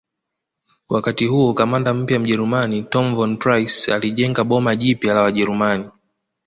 wakati huo kamanda mpya mjerumani Tom Von Prince alijenga boma jipya la wajerumani